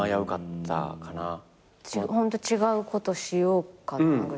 ホント違うことしようかなぐらい？